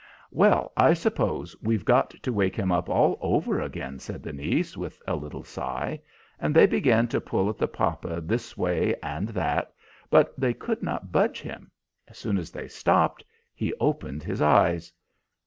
"Well, I suppose we've got to wake him up all over again," said the niece, with a little sigh; and they began to pull at the papa this way and that, but they could not budge him. As soon as they stopped, he opened his eyes.